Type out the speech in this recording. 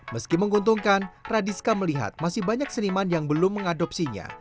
meski menguntungkan radiska melihat masih banyak seniman yang belum mengadopsinya